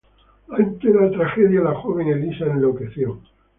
Ante la tragedia, la joven Elisa enloqueció.